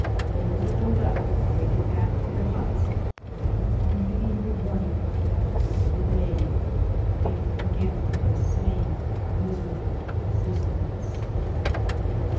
Those that were left waded back to their huts, and, unheeding the warn ing of that fearful day, began again their same miserable existence.